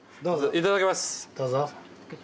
どうぞ。